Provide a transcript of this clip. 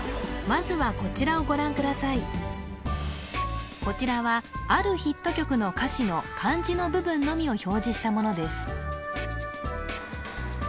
まずはこちらはあるヒット曲の歌詞の漢字の部分のみを表示したものです